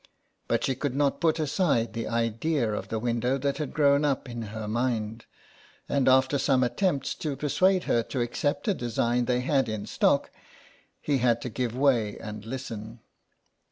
But she could not put aside the idea of the window that had grown up in her mind, and after some attempts to persuade her to accept a design they had in stock he had to give way and listen.